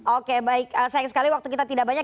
oke baik sayang sekali waktu kita tidak banyak